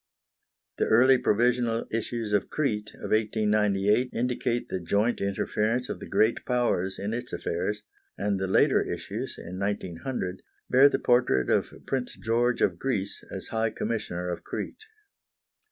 The early provisional issues of Crete of 1898 indicate the joint interference of the Great Powers in its affairs, and the later issues, in 1900, bear the portrait of Prince George of Greece as High Commissioner of Crete.